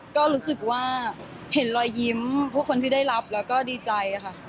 ก็รู้สึกว่าเห็นรอยยิ้มผู้คนที่ได้รับแล้วก็ดีใจค่ะ